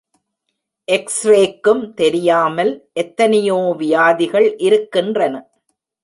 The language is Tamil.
எக்ஸ்ரேக்கும் தெரியாமல் எத்தனையோ வியாதிகள் இருக்கின்றன.